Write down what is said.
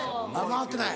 回ってない。